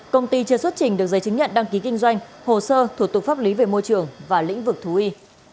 công ty chưa xuất trình được giấy chứng nhận đăng ký kinh doanh hồ sơ thủ tục pháp lý về môi trường và lĩnh vực thú y